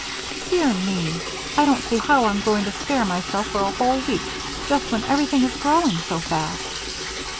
"Dear me! I don't see how I'm going to spare myself for a whole week just when everything is growing so fast."